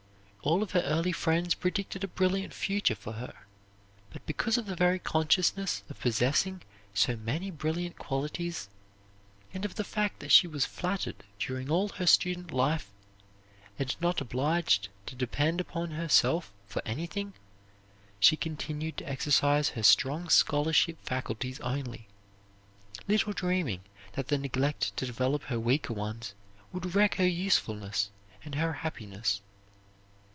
All of her early friends predicted a brilliant future for her, but because of the very consciousness of possessing so many brilliant qualities and of the fact that she was flattered during all her student life and not obliged to depend upon herself for anything, she continued to exercise her strong scholarship faculties only, little dreaming that the neglect to develop her weaker ones would wreck her usefulness and her happiness.